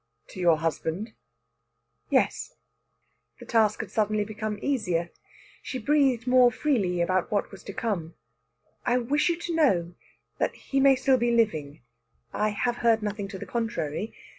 "To your husband?" "Yes." The task had become easier suddenly. She breathed more freely about what was to come. "I wish you to know that he may be still living. I have heard nothing to the contrary.